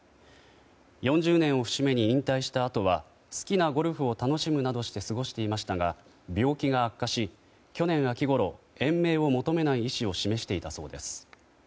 ４０年を節目に引退したあとは好きなゴルフを楽しむなどして過ごしていましたが病気が悪化し去年秋ごろ延命を求めない意思を示していたそうです。